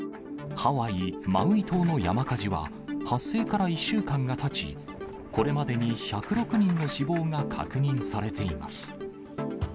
ハワイ・マウイ島の山火事は、発生から１週間がたち、これまでに１０６人の死亡が確認されています。